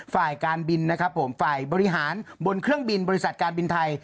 ฝ่ายการบินนะครับผมฝ่ายบริหารบนเครื่องบินบริษัทการบินไทย